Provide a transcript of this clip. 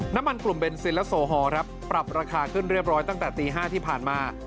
น้ำมันกลุ่มเบนซินและโซฮอลครับปรับราคาขึ้นเรียบร้อยตั้งแต่ตี๕ที่ผ่านมา